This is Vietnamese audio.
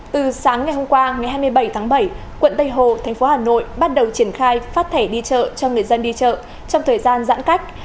từ sáng ngày hôm qua ngày hai mươi bảy tháng bảy quận tây hồ thành phố hà nội bắt đầu triển khai phát thẻ đi chợ cho người dân đi chợ trong thời gian giãn cách